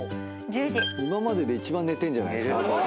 今までで一番寝てんじゃない。